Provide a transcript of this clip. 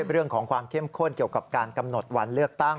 เรื่องของความเข้มข้นเกี่ยวกับการกำหนดวันเลือกตั้ง